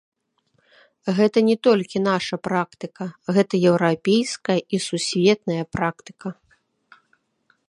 Гэта не толькі наша практыка, гэта еўрапейская і сусветная практыка.